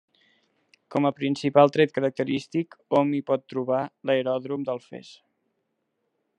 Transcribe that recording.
Com a principal tret característic hom hi pot trobar l'Aeròdrom d'Alfés.